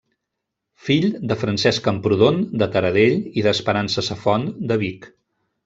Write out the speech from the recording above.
Fill de Francesc Camprodon de Taradell i d'Esperança Safont de Vic.